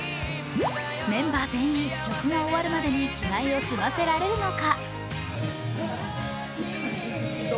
メンバー全員、曲が終わるまでに着替えを済ませられるのか。